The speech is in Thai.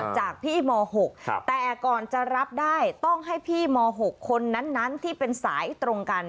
จากพี่ม๖แต่ก่อนจะรับได้ต้องให้พี่ม๖คนนั้นที่เป็นสายตรงกัน